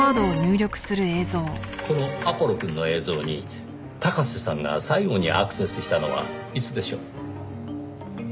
このアポロくんの映像に高瀬さんが最後にアクセスしたのはいつでしょう？